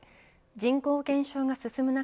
人口減少が進む中